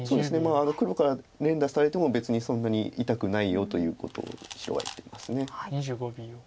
黒から連打されても別にそんなに痛くないよということを白は言ってます。